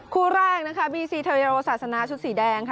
คู่แรกบีซีเทโรสาสนาชุดสีแดง